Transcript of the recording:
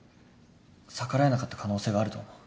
逆らえなかった可能性があると思う。